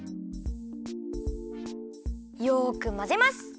よくまぜます。